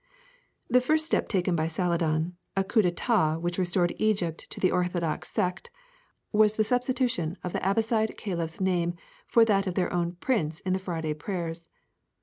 The first step taken by Saladin, a coup d'état which restored Egypt to the orthodox sect, was the substitution of the Abbaside caliph's name for that of their own prince in the Friday prayers.